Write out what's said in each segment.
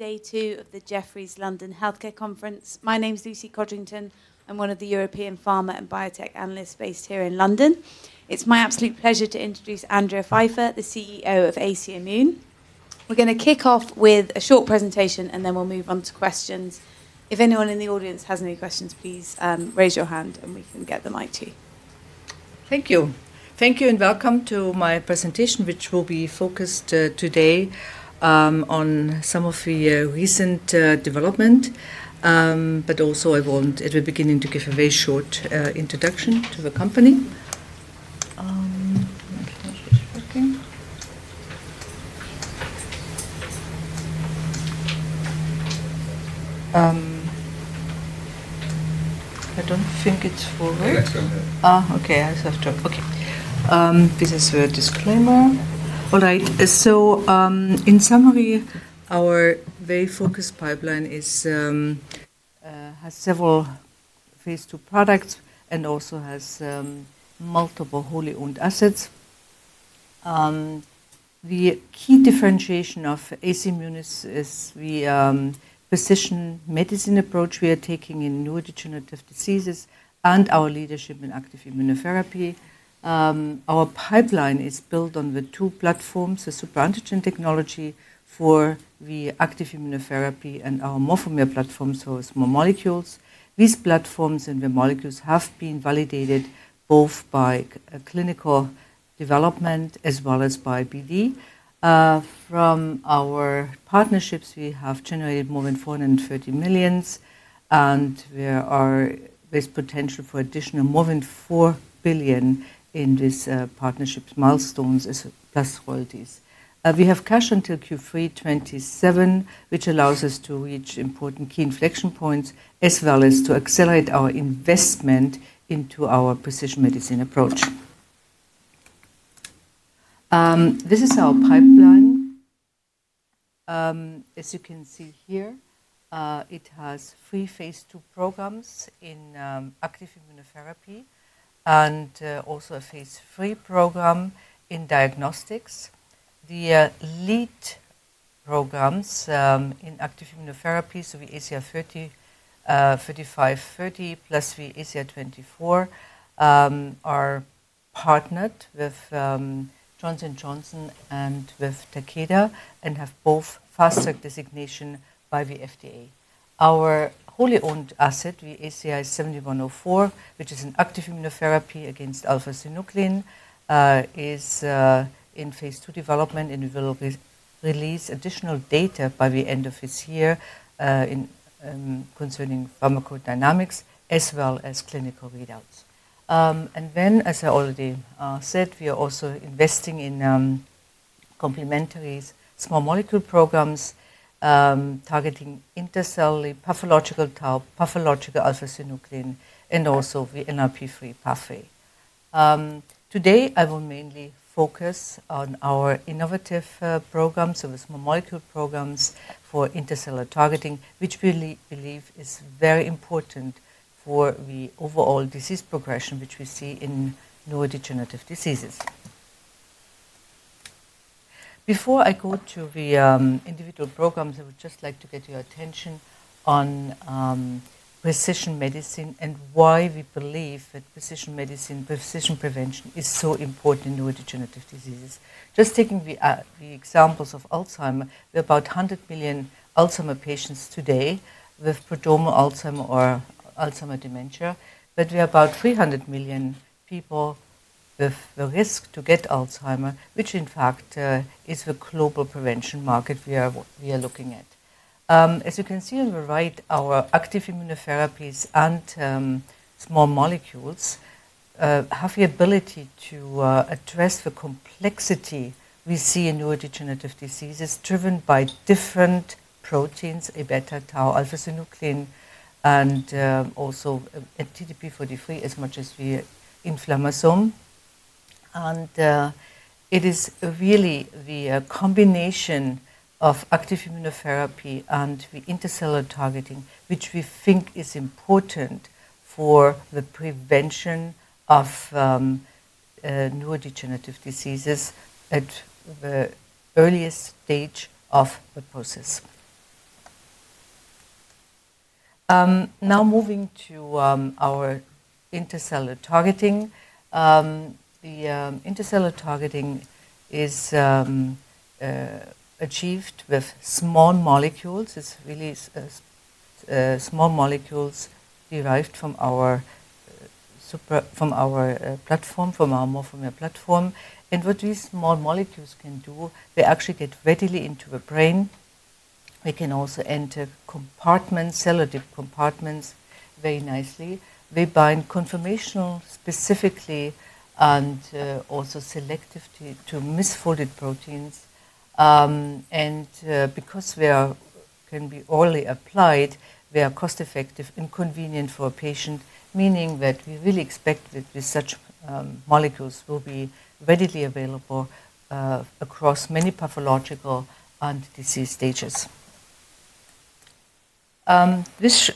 Today, two of the Jefferies London Healthcare Conference. My name is Lucy Coddington. I'm one of the European Pharma and Biotech Analysts based here in London. It's my absolute pleasure to introduce Andrea Pfeifer, the CEO of AC Immune. We're going to kick off with a short presentation, and then we'll move on to questions. If anyone in the audience has any questions, please raise your hand, and we can get the mic to you. Thank you. Thank you, and welcome to my presentation, which will be focused today on some of the recent development, but also I want everybody to give a very short introduction to the company. I do not think it is forward. That's good. Oh, okay. I just have to okay. This is a disclaimer. All right. In summary, our very focused pipeline has several phase two products and also has multiple wholly owned assets. The key differentiation of AC Immune is the precision medicine approach we are taking in neurodegenerative diseases and our leadership in active immunotherapy. Our pipeline is built on the two platforms, the super antigen technology for the active immunotherapy and our Morphomer platform, so small molecules. These platforms and the molecules have been validated both by clinical development as well as by BD. From our partnerships, we have generated more than $430 million, and there is potential for additional more than $4 billion in these partnership milestones as well as royalties. We have cash until Q3 2027, which allows us to reach important key inflection points as well as to accelerate our investment into our precision medicine approach. This is our pipeline. As you can see here, it has three phase two programs in active immunotherapy and also a phase three program in diagnostics. The lead programs in active immunotherapy, so the ACI-35.030 plus the ACI-24, are partnered with Johnson & Johnson and with Takeda and have both fast-track designation by the FDA. Our wholly owned asset, the ACI-7104, which is an active immunotherapy against alpha-synuclein, is in phase two development and will release additional data by the end of this year concerning pharmacodynamics as well as clinical readouts. As I already said, we are also investing in complementary small molecule programs targeting intracellular pathological alpha-synuclein and also the NLRP3 pathway. Today, I will mainly focus on our innovative programs, so the small molecule programs for intracellular targeting, which we believe is very important for the overall disease progression which we see in neurodegenerative diseases. Before I go to the individual programs, I would just like to get your attention on precision medicine and why we believe that precision medicine, precision prevention is so important in neurodegenerative diseases. Just taking the examples of Alzheimer, there are about 100 million Alzheimer patients today with prodromal Alzheimer or Alzheimer dementia, but there are about 300 million people with the risk to get Alzheimer, which in fact is the global prevention market we are looking at. As you can see on the right, our active immunotherapies and small molecules have the ability to address the complexity we see in neurodegenerative diseases driven by different proteins, a beta, tau, alpha-synuclein, and also TDP-43 as much as the inflammasome. It is really the combination of active immunotherapy and the intracellular targeting, which we think is important for the prevention of neurodegenerative diseases at the earliest stage of the process. Now moving to our intracellular targeting. The intracellular targeting is achieved with small molecules. It's really small molecules derived from our platform, from our Morphomer platform. What these small molecules can do, they actually get readily into the brain. They can also enter compartments, cellular compartments, very nicely. They bind conformation specifically and also selectively to misfolded proteins. Because they can be orally applied, they are cost-effective and convenient for a patient, meaning that we really expect that such molecules will be readily available across many pathological and disease stages. This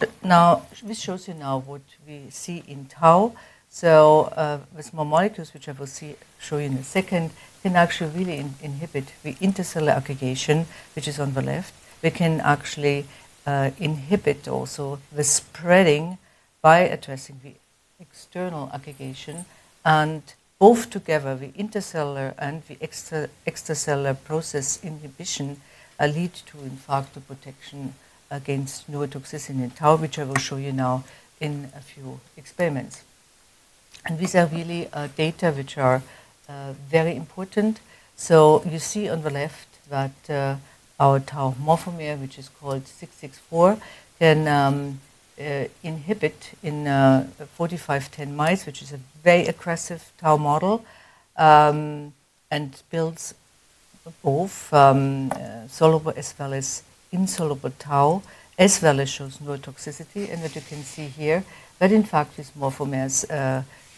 shows you now what we see in tau. The small molecules, which I will show you in a second, can actually really inhibit the intracellular aggregation, which is on the left. They can actually inhibit also the spreading by addressing the external aggregation. Both together, the intracellular and the extracellular process inhibition lead to, in fact, the protection against neurotoxicity in tau, which I will show you now in a few experiments. These are really data which are very important. You see on the left that our Tau morphomer, which is called 664, can inhibit in 4510 mice, which is a very aggressive Tau model and builds both soluble as well as insoluble Tau, as well as shows neurotoxicity, and that you can see here. In fact, these morphomers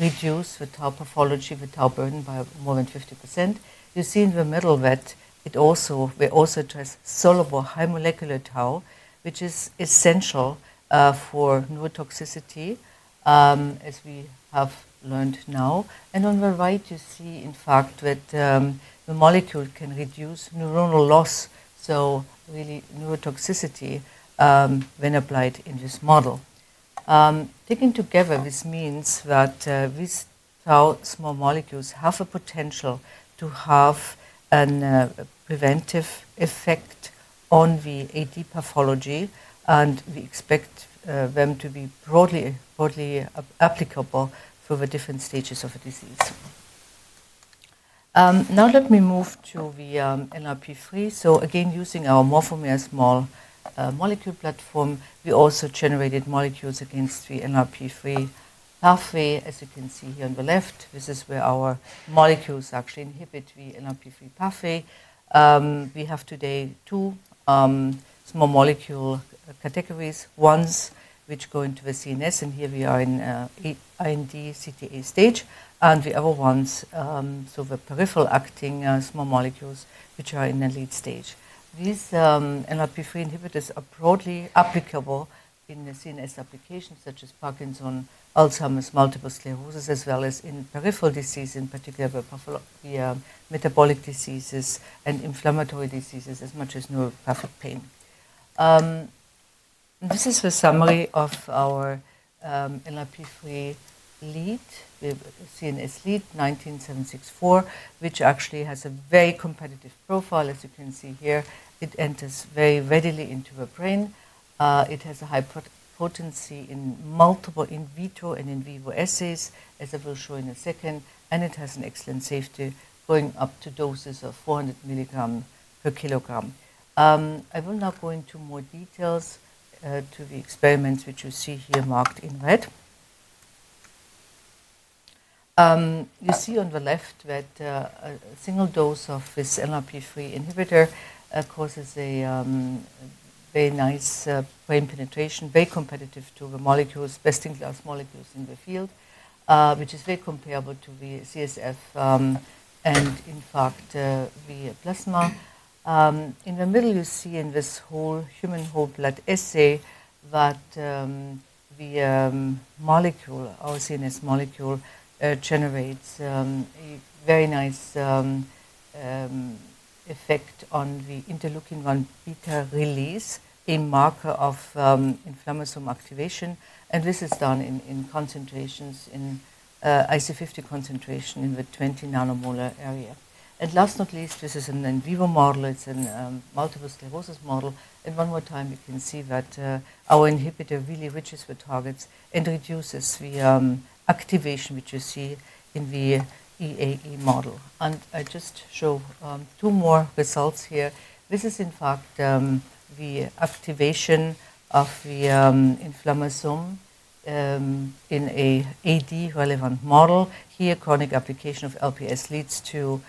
reduce the Tau pathology, the Tau burden by more than 50%. You see in the middle that it also addresses soluble high molecular Tau, which is essential for neurotoxicity, as we have learned now. On the right, you see, in fact, that the molecule can reduce neuronal loss, so really neurotoxicity when applied in this model. Taken together, this means that these Tau small molecules have a potential to have a preventive effect on the AD pathology, and we expect them to be broadly applicable for the different stages of the disease. Now let me move to the NLRP3. Again, using our Morphomer small molecule platform, we also generated molecules against the NLRP3 pathway, as you can see here on the left. This is where our molecules actually inhibit the NLRP3 pathway. We have today two small molecule categories: ones which go into the CNS, and here we are in IND/CTA stage, and the other ones, so the peripheral acting small molecules which are in the lead stage. These NLRP3 inhibitors are broadly applicable in the CNS applications, such as Parkinson's, Alzheimer's, multiple sclerosis, as well as in peripheral disease, in particular the metabolic diseases and inflammatory diseases as much as neuropathic pain. This is the summary of our NLRP3 lead, the CNS lead 19764, which actually has a very competitive profile, as you can see here. It enters very readily into the brain. It has a high potency in multiple in vivo and in vitro assays, as I will show in a second, and it has an excellent safety going up to doses of 400 milligrams per kilogram. I will now go into more details to the experiments which you see here marked in red. You see on the left that a single dose of this NLRP3 inhibitor causes a very nice brain penetration, very competitive to the best-in-class molecules in the field, which is very comparable to the CSF and, in fact, the plasma. In the middle, you see in this whole human whole blood assay that the molecule, our CNS molecule, generates a very nice effect on the interleukin-1 beta release, a marker of inflammasome activation. This is done in concentrations, in IC50 concentration in the 20 nanomolar area. Last but not least, this is an in vivo model. It's a multiple sclerosis model. One more time, you can see that our inhibitor really reaches the targets and reduces the activation which you see in the EAE model. I just show two more results here. This is, in fact, the activation of the inflammasome in an AD-relevant model. Here, chronic application of LPS leads to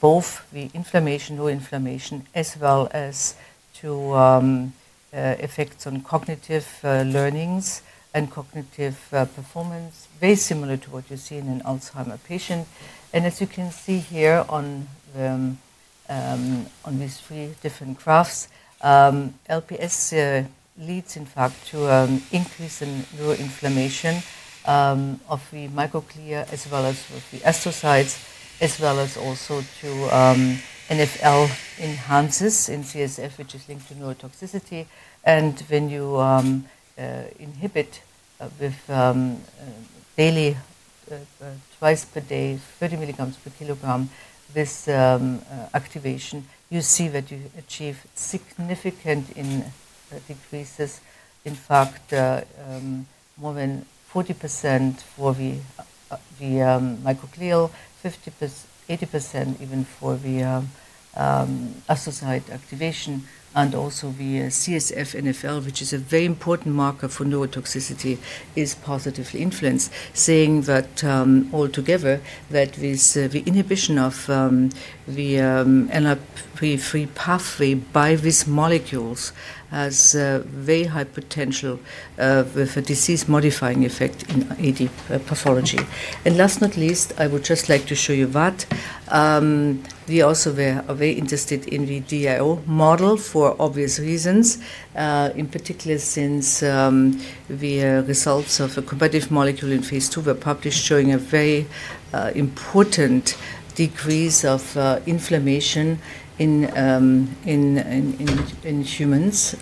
both the inflammation, no inflammation, as well as to effects on cognitive learnings and cognitive performance, very similar to what you see in an Alzheimer patient. As you can see here on these three different graphs, LPS leads, in fact, to an increase in neuroinflammation of the microglia as well as the astrocytes, as well as also to NFL enhances in CSF, which is linked to neurotoxicity. When you inhibit with daily, twice per day, 30 mg per kg, this activation, you see that you achieve significant decreases, in fact, more than 40% for the microglia, 80% even for the astrocyte activation. Also, the CSF NFL, which is a very important marker for neurotoxicity, is positively influenced, saying that altogether the inhibition of the NLRP3 pathway by these molecules has a very high potential with a disease-modifying effect in AD pathology. Last but not least, I would just like to show you that we also were very interested in the DIO model for obvious reasons, in particular since the results of a competitive molecule in phase two were published showing a very important decrease of inflammation in humans.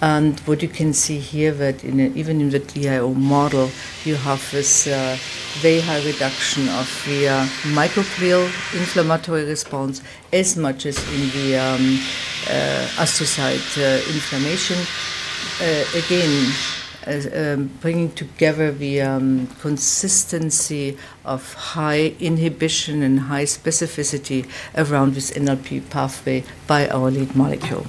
What you can see here is that even in the DIO model, you have this very high reduction of the microglial inflammatory response, as much as in the astrocyte inflammation. Again, bringing together the consistency of high inhibition and high specificity around this NLRP3 pathway by our lead molecule.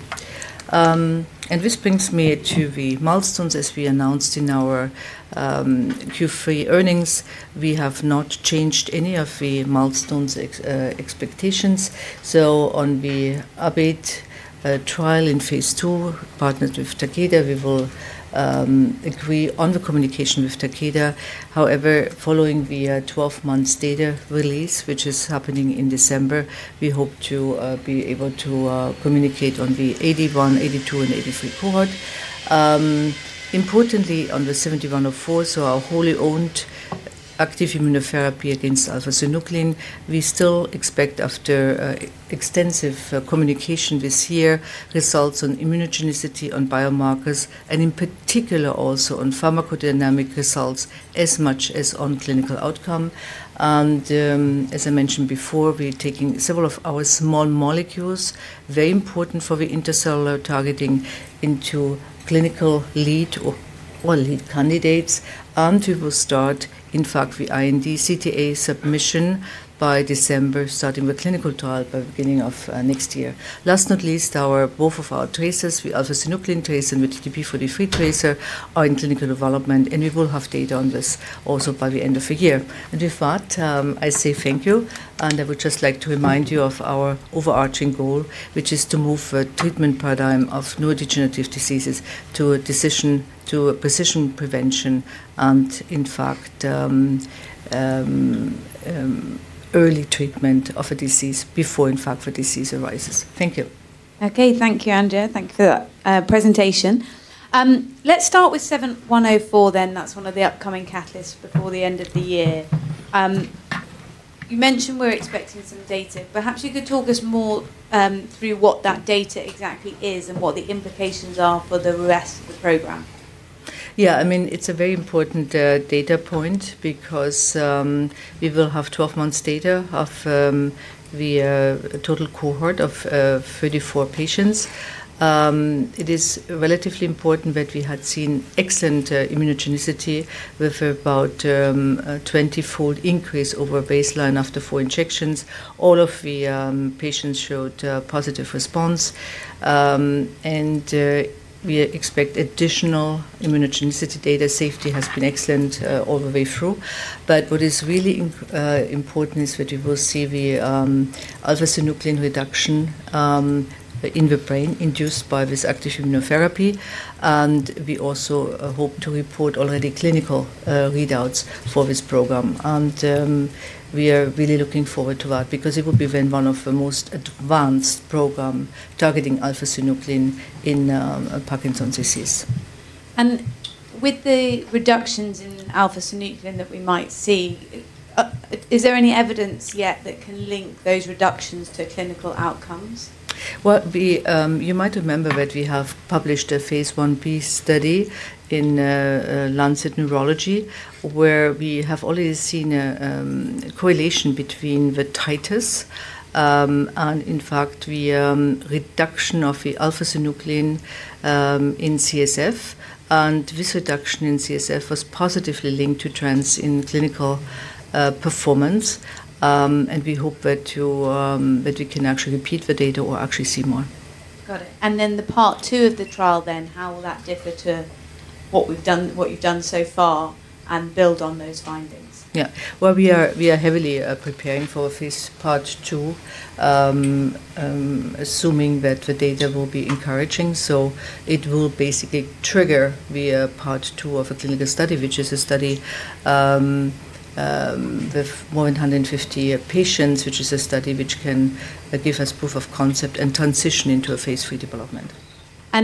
This brings me to the milestones. As we announced in our Q3 earnings, we have not changed any of the milestones expectations. On the ABATE trial in phase two, partnered with Takeda, we will agree on the communication with Takeda. However, following the 12-month data release, which is happening in December, we hope to be able to communicate on the 81, 82, and 83 cohort. Importantly, on the 7104, so our wholly owned active immunotherapy against alpha-synuclein, we still expect, after extensive communication this year, results on immunogenicity, on biomarkers, and in particular also on pharmacodynamic results as much as on clinical outcome. As I mentioned before, we're taking several of our small molecules, very important for the intracellular targeting, into clinical lead or lead candidates. We will start, in fact, the IND CTA submission by December, starting the clinical trial by the beginning of next year. Last but not least, both of our tracers, the alpha-synuclein tracer and the TDP-43 tracer, are in clinical development, and we will have data on this also by the end of the year. With that, I say thank you, and I would just like to remind you of our overarching goal, which is to move the treatment paradigm of neurodegenerative diseases to a precision prevention and, in fact, early treatment of a disease before, in fact, the disease arises. Thank you. Okay. Thank you, Andrea. Thank you for the presentation. Let's start with 7104 then. That's one of the upcoming catalysts before the end of the year. You mentioned we're expecting some data. Perhaps you could talk us more through what that data exactly is and what the implications are for the rest of the program. Yeah. I mean, it's a very important data point because we will have 12 months' data of the total cohort of 34 patients. It is relatively important that we had seen excellent immunogenicity with about a 20-fold increase over baseline after four injections. All of the patients showed positive response, and we expect additional immunogenicity data. Safety has been excellent all the way through. What is really important is that we will see the alpha-synuclein reduction in the brain induced by this active immunotherapy. We also hope to report already clinical readouts for this program. We are really looking forward to that because it will be one of the most advanced programs targeting alpha-synuclein in Parkinson's disease. With the reductions in alpha-synuclein that we might see, is there any evidence yet that can link those reductions to clinical outcomes? You might remember that we have published a phase one B study in Lancet Neurology, where we have already seen a correlation between the titers and, in fact, the reduction of the alpha-synuclein in CSF. This reduction in CSF was positively linked to trends in clinical performance. We hope that we can actually repeat the data or actually see more. Got it. The part two of the trial, then, how will that differ to what you've done so far and build on those findings? Yeah. We are heavily preparing for part two, assuming that the data will be encouraging. It will basically trigger the part two of a clinical study, which is a study with more than 150 patients, which is a study that can give us proof of concept and transition into a phase three development.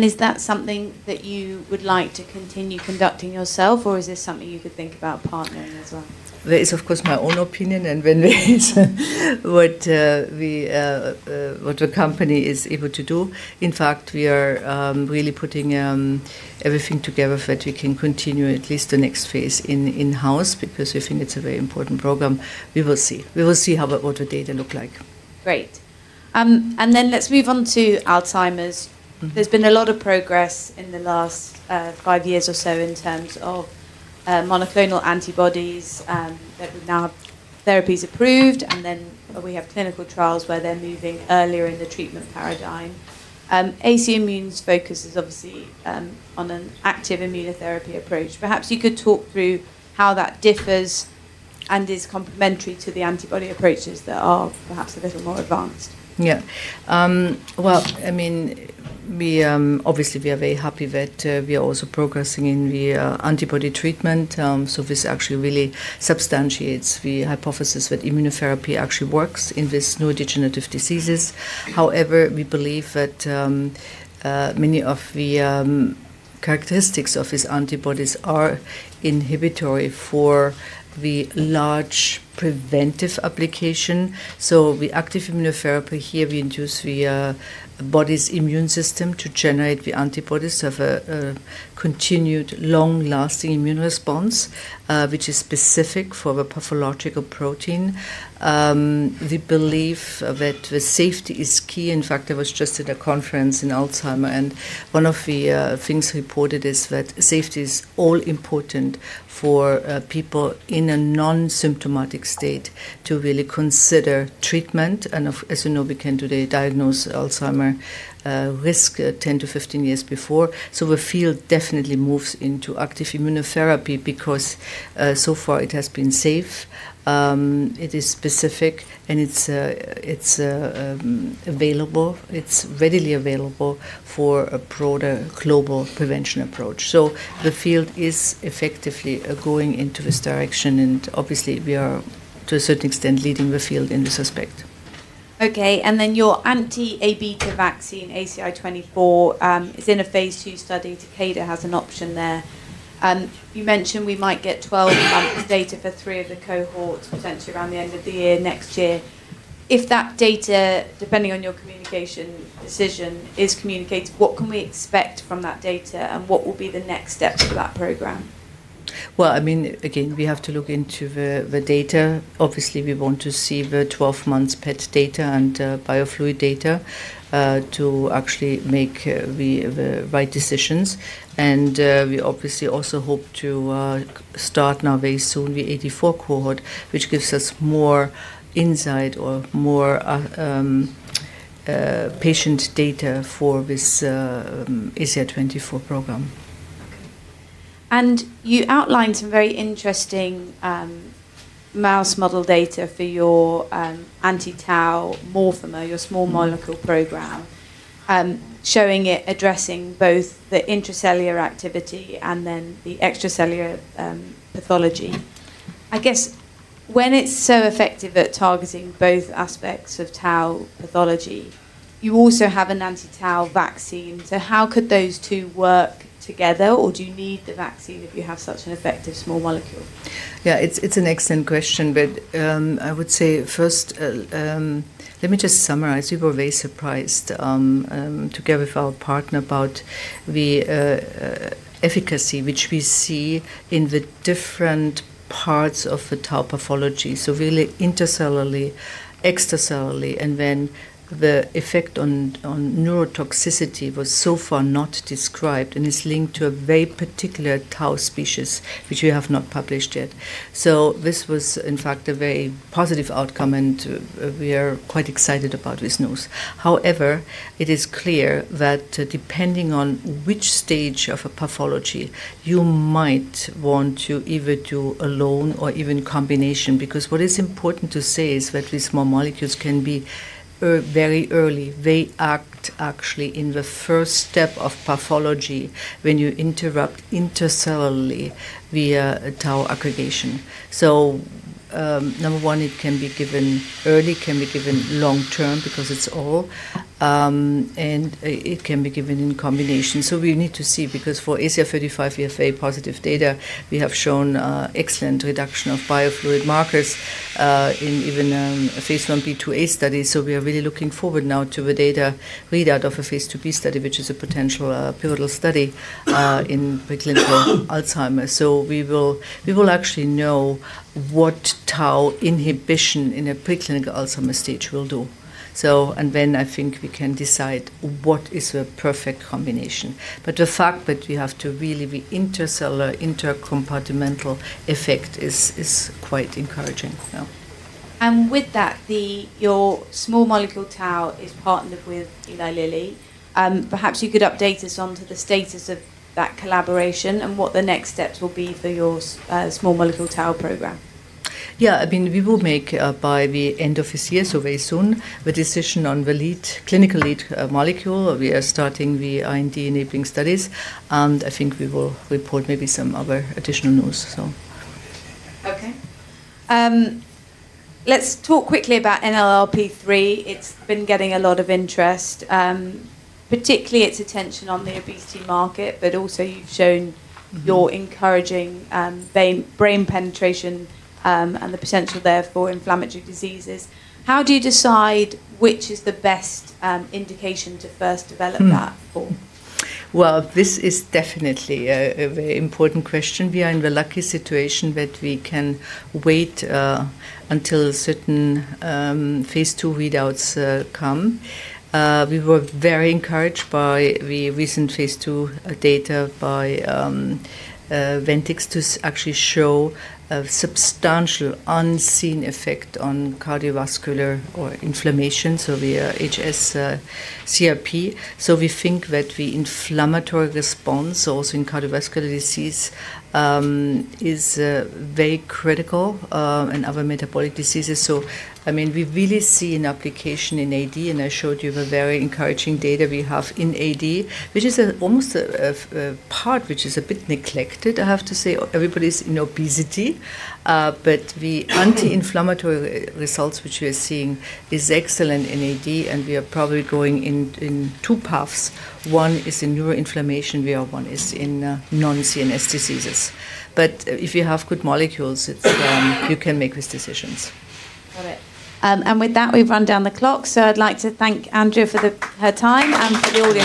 Is that something that you would like to continue conducting yourself, or is this something you could think about partnering as well? That is, of course, my own opinion, and what the company is able to do. In fact, we are really putting everything together that we can continue at least the next phase in-house because we think it is a very important program. We will see. We will see what the data look like. Great. Let's move on to Alzheimer's. There has been a lot of progress in the last five years or so in terms of monoclonal antibodies that we now have therapies approved, and then we have clinical trials where they are moving earlier in the treatment paradigm. AC Immune's focus is obviously on an active immunotherapy approach. Perhaps you could talk through how that differs and is complementary to the antibody approaches that are perhaps a little more advanced. Yeah. I mean, obviously, we are very happy that we are also progressing in the antibody treatment. This actually really substantiates the hypothesis that immunotherapy actually works in these neurodegenerative diseases. However, we believe that many of the characteristics of these antibodies are inhibitory for the large preventive application. The active immunotherapy here, we induce the body's immune system to generate the antibodies to have a continued long-lasting immune response, which is specific for the pathological protein. We believe that the safety is key. In fact, I was just at a conference in Alzheimer, and one of the things reported is that safety is all important for people in a non-symptomatic state to really consider treatment. As you know, we can today diagnose Alzheimer risk 10 to 15 years before. The field definitely moves into active immunotherapy because so far it has been safe. It is specific, and it's available. It's readily available for a broader global prevention approach. The field is effectively going into this direction, and obviously, we are, to a certain extent, leading the field in this aspect. Okay. And then your anti-ABT vaccine, ACI-24, is in a phase two study. Takeda has an option there. You mentioned we might get 12 months' data for three of the cohorts, potentially around the end of the year next year. If that data, depending on your communication decision, is communicated, what can we expect from that data, and what will be the next steps for that program? I mean, again, we have to look into the data. Obviously, we want to see the 12-month PET data and biofluid data to actually make the right decisions. And we obviously also hope to start now very soon the 84 cohort, which gives us more insight or more patient data for this ACI-24 program. Okay. You outlined some very interesting mouse model data for your anti-Tau morphomer, your small molecule program, showing it addressing both the intracellular activity and then the extracellular pathology. I guess when it is so effective at targeting both aspects of Tau pathology, you also have an anti-Tau vaccine. How could those two work together, or do you need the vaccine if you have such an effective small molecule? Yeah. It is an excellent question, but I would say first, let me just summarize. We were very surprised, together with our partner, about the efficacy which we see in the different parts of the Tau pathology. Really intracellularly, extracellularly, and then the effect on neurotoxicity was so far not described and is linked to a very particular Tau species, which we have not published yet. This was, in fact, a very positive outcome, and we are quite excited about this news. However, it is clear that depending on which stage of a pathology, you might want to either do alone or even combination. What is important to say is that these small molecules can be very early. They act actually in the first step of pathology when you interrupt intracellularly via Tau aggregation. Number one, it can be given early, can be given long-term because it is oral, and it can be given in combination. We need to see because for ACI-35, we have very positive data. We have shown excellent reduction of biofluid markers in even a phase 1b/2a study. We are really looking forward now to the data readout of a phase 2b study, which is a potential pivotal study in preclinical Alzheimer's. We will actually know what Tau inhibition in a preclinical Alzheimer's stage will do. I think we can decide what is the perfect combination. The fact that we have to really be intracellular, intercompartimental effect is quite encouraging. With that, your small molecule Tau is partnered with Eli Lilly. Perhaps you could update us on the status of that collaboration and what the next steps will be for your small molecule Tau program. Yeah. I mean, we will make by the end of this year, so very soon, the decision on the clinical lead molecule. We are starting the IND enabling studies, and I think we will report maybe some other additional news, so. Okay. Let's talk quickly about NLRP3. It's been getting a lot of interest, particularly its attention on the obesity market, but also you've shown your encouraging brain penetration and the potential there for inflammatory diseases. How do you decide which is the best indication to first develop that for? This is definitely a very important question. We are in the lucky situation that we can wait until certain phase two readouts come. We were very encouraged by the recent phase two data by Ventyx to actually show a substantial unseen effect on cardiovascular inflammation. We are HS CRP. We think that the inflammatory response also in cardiovascular disease is very critical in other metabolic diseases. I mean, we really see an application in AD, and I showed you the very encouraging data we have in AD, which is almost a part which is a bit neglected, I have to say. Everybody's in obesity, but the anti-inflammatory results which we are seeing are excellent in AD, and we are probably going in two paths. One is in neuroinflammation; the other one is in non-CNS diseases. If you have good molecules, you can make these decisions. Got it. With that, we've run down the clock, so I'd like to thank Andrea for her time and for the audio.